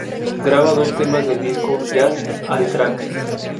Graba dos temas del disco: "Jazz al Drac.